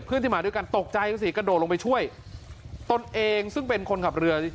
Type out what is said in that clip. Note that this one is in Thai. ที่มาด้วยกันตกใจกันสิกระโดดลงไปช่วยตนเองซึ่งเป็นคนขับเรือ